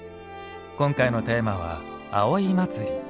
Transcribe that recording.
今回のテーマは「葵祭」。